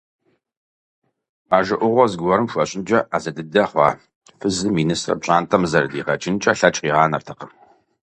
Бажэ Ӏугъуэ зыгуэрым хуэщӀынкӀэ Ӏэзэ дыдэ хъуа фызым и нысэр пщӀантӀэм зэрыдигъэкӀынкӀэ лъэкӀ къигъанэртэкъым.